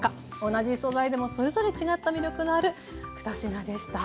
同じ素材でもそれぞれ違った魅力がある２品でした。